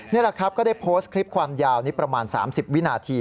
นี่แหละครับก็ได้โพสต์คลิปความยาวนี้ประมาณ๓๐วินาที